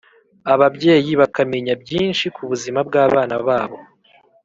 ababyeyi bakamenya byinshi ku buzima bw abana babo